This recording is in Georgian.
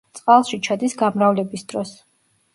წყალში ჩადის გამრავლების დროს.